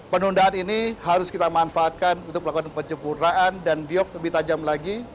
penundaan ini harus kita manfaatkan untuk melakukan penyempurnaan dan biok lebih tajam lagi